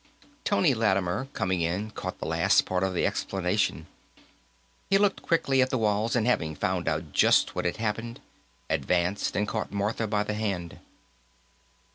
Tony Lattimer, coming in, caught the last part of the explanation. He looked quickly at the walls and, having found out just what had happened, advanced and caught Martha by the hand.